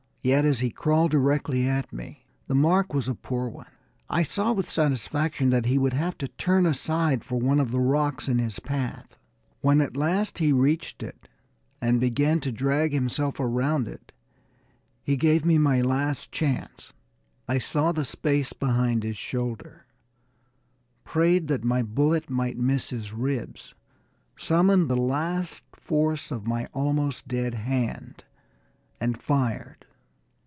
Yet as he crawled directly at me, the mark was a poor one. I saw with satisfaction that he would have to turn aside for one of the rocks in his path. When at last he reached it, and began to drag himself around it, he gave me my last chance. I saw the space behind his shoulder, prayed that my bullet might miss his ribs, summoned the last force at my almost dead hand, and fired.